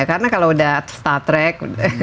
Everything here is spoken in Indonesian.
karena kalau udah star trek